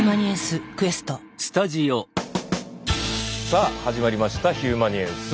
さあ始まりました「ヒューマニエンス」。